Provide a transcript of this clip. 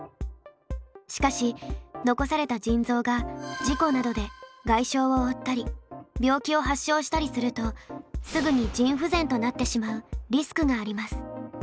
しかし残された腎臓が事故などで外傷を負ったり病気を発症したりするとすぐに腎不全となってしまうリスクがあります。